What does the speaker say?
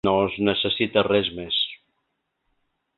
No es necessita res més.